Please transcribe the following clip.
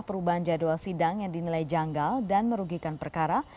perubahan jadwal sidang yang dinilai janggal dan merugikan perkara